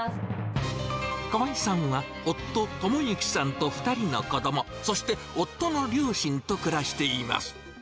川合さんは夫、ともゆきさんと２人の子ども、そして夫の両親と暮らしています。